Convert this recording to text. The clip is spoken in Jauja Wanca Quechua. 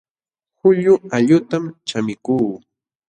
Huyu allqutam chamikuu